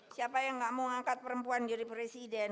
siapa yang gak mau angkat perempuan jadi presiden